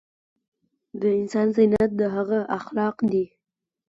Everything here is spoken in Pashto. دانسان زينت دهغه اخلاق دي